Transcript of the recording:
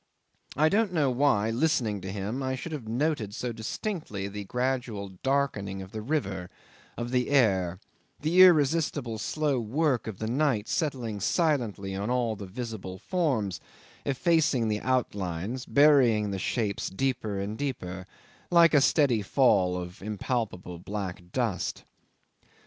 I don't know why, listening to him, I should have noted so distinctly the gradual darkening of the river, of the air; the irresistible slow work of the night settling silently on all the visible forms, effacing the outlines, burying the shapes deeper and deeper, like a steady fall of impalpable black dust.